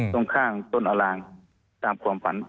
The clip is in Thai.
ตรงข้างต้นอารางตามความฝัน